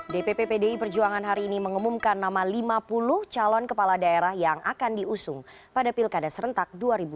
dpp pdi perjuangan hari ini mengumumkan nama lima puluh calon kepala daerah yang akan diusung pada pilkada serentak dua ribu delapan belas